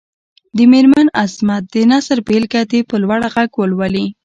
د مېرمن عظمت د نثر بېلګه دې په لوړ غږ ولولي.